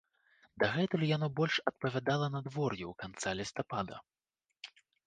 Дагэтуль яно больш адпавядала надвор'ю канца лістапада.